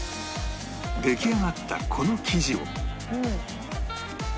出来上がったこの生地を